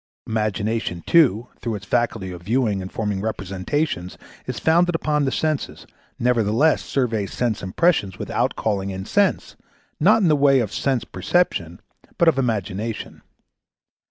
Imagination, too, though its faculty of viewing and forming representations is founded upon the senses, nevertheless surveys sense impressions without calling in Sense, not in the way of Sense perception, but of Imagination.